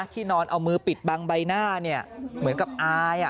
ที่นอนเอามือปิดบังใบหน้าเหมือนกับอาย